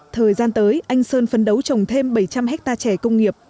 thời gian tới anh sơn phấn đấu trồng thêm bảy trăm linh hectare trẻ công nghiệp